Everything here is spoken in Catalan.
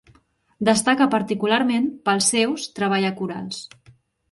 Destaca particularment pels seus treballa corals.